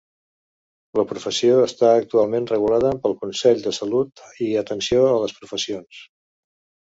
La professió està actualment regulada pel consell de salut i atenció a les professions.